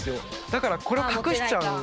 だから、これを隠しちゃう。